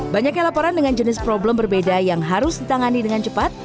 banyaknya laporan dengan jenis problem berbeda yang harus ditangani dengan cepat